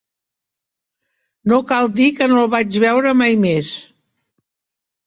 No cal dir que no el vaig veure mai més.